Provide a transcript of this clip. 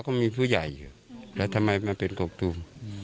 ผมไม่ไปอยู่แล้วครับลุงพลต้องมาหาผม